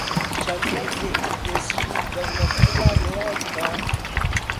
چەند ڕەمزێکی بێسیمی دەوڵەتی ڕاگەیاند کە: